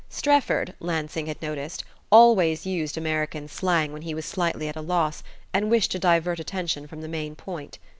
Strefford, Lansing had noticed, always used American slang when he was slightly at a loss, and wished to divert attention from the main point.